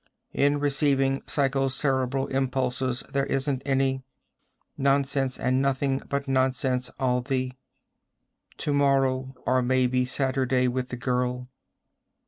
"... in receiving psychocerebral impulses there isn't any ... nonsense and nothing but nonsense all the ... tomorrow or maybe Saturday with the girl